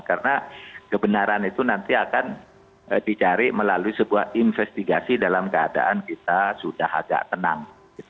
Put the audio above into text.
karena kebenaran itu nanti akan dicari melalui sebuah investigasi dalam keadaan kita sudah agak tenang